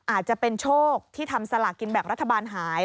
อาจจะเป็นโชคที่ทำสลากกินแบ่งรัฐบาลหาย